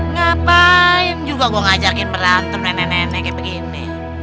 ngapain juga gua ngajarkan berantem nenek nenek kayak begini